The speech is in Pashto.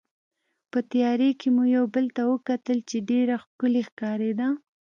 په تیارې کې مو یو بل ته وکتل چې ډېره ښکلې ښکارېده.